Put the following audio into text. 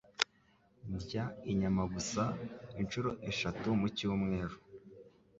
Ndya inyama gusa inshuro eshatu mu cyumweru.